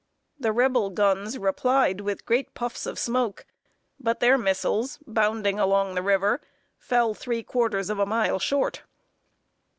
The Rebel guns replied with great puffs of smoke; but their missiles, bounding along the river, fell three quarters of a mile short.